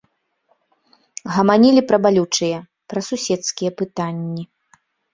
Гаманілі пра балючыя, пра суседскія пытанні.